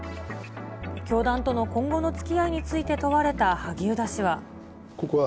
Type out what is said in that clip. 教団との今後のつきあいについて問われた萩生田氏は。